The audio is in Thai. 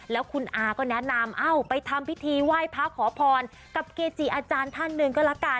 แล้วคุณอาก็แนะนำเอ้าไปทำพิธีไหว้พระขอพรกับเกจิอาจารย์ท่านหนึ่งก็ละกัน